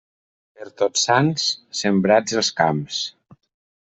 Per Tots Sants, sembrats els camps.